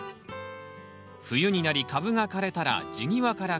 冬になり株が枯れたら地際から刈り取り